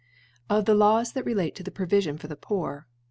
Of the Laws that relate to the PRotr siou for the Poor.